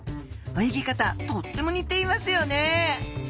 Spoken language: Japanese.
泳ぎ方とってもにていますよねえ。